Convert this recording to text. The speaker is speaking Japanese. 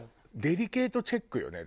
デリケートチェックね。